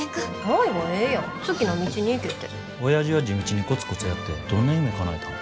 おやじは地道にコツコツやってどんな夢かなえたん。